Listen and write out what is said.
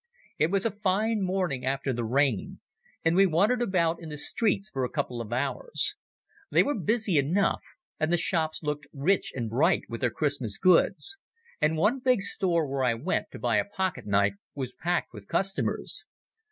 It was a fine morning after the rain, and we wandered about in the streets for a couple of hours. They were busy enough, and the shops looked rich and bright with their Christmas goods, and one big store where I went to buy a pocket knife was packed with customers.